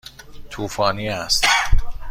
طوفانی است.